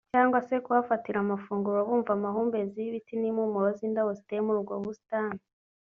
cyangwa se kuhafatira abafunguro bumva amahumbezi y’ibiti n’impumuro z’itabo ziteye muri ubwo busitani